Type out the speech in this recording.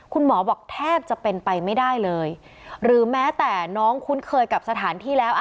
คุณหมอบอกแทบจะเป็นไปไม่ได้เลยหรือแม้แต่น้องคุ้นเคยกับสถานที่แล้ว